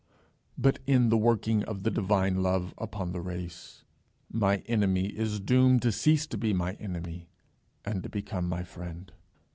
But in the working of the Divine Love upon the race, my enemy is doomed to cease to be my enemy, and to become my friend.